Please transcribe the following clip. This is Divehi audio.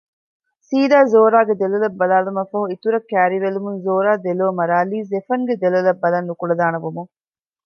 ސީދާ ޒޯރާގެ ދެލޮލަށް ބަލާލުމަށްފަހު އިތުރަށް ކައިރިވެލުމުން ޒޯރާ ދެލޯމަރާލީ ޒެފަންގެ ދެލޮލަށް ބަލަން ނުކުޅަދާނަވުމުން